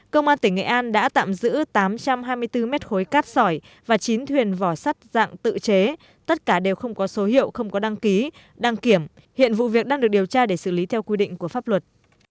công an tỉnh nghệ an đã tạm giữ tám trăm hai mươi bốn mét khối cát sỏi và chín thuyền vỏ sắt dạng tự chế tất cả đều không có số hiệu không có đăng ký đăng kiểm hiện vụ việc đang được điều tra để xử lý theo quy định của pháp luật